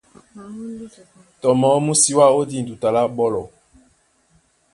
Tɔ mɔɔ́ mú sí wá ó dîn duta lá ɓɔ́lɔ.